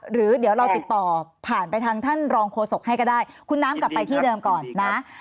หรือเดี๋ยวเราติดต่อผ่านไปทางท่านรองโฆษกให้ก็ได้คุณน้ำกลับไปที่เดิมก่อนนะ